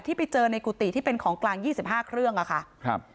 ที่ไปเจอในกุฏิที่เป็นของกลาง๒๕เครื่องอะค่ะครับ